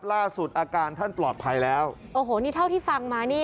ล่าสุดอาการท่านปลอดภัยแล้วโอ้โหนี่เท่าที่ฟังมานี่